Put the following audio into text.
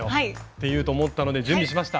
ていうと思ったので準備しました。